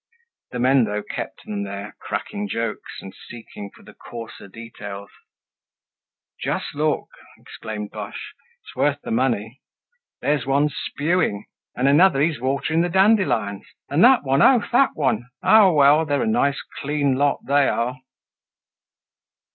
The men though kept them there, cracking jokes, and seeking for the coarser details. "Just look!" exclaimed Boche, "it's worth the money. There's one spewing, and another, he's watering the dandelions; and that one—oh! that one. Ah, well! They're a nice clean lot, they are!"